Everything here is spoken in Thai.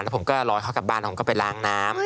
แล้วผมก็รอให้เขากลับบ้านผมก็ไปล้างน้ำ